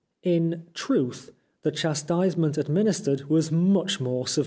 In Truth the chastise ment administered was much more severe.